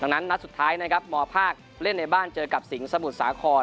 นัดสุดท้ายมภาคเล่นในบ้านเจอกับสิงสมุทรสาคอน